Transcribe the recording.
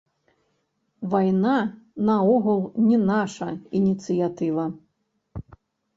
Вайна наогул не наша ініцыятыва.